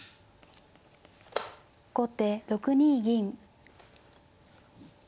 後手６二銀。